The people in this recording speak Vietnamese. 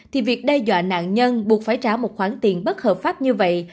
thì việc đe dọa nạn nhân buộc phải trả một khoản tiền bất hợp pháp như vậy